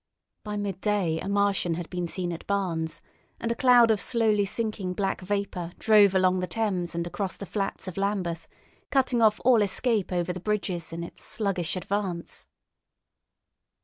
By midday a Martian had been seen at Barnes, and a cloud of slowly sinking black vapour drove along the Thames and across the flats of Lambeth, cutting off all escape over the bridges in its sluggish advance.